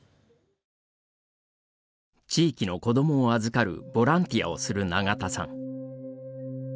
地域の子どもを預かるボランティアをする永田さん。